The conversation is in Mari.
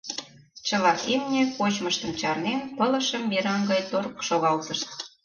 Чыла имне, кочмыштым чарнен, пылышым мераҥ гай торк шогалтышт.